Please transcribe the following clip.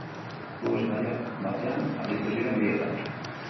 Futbol zelai batean aritu ziren bietan.